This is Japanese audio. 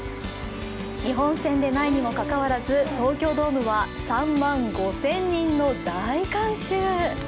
日本戦でないにもかかわらず東京ドームは３万５０００人の大観衆。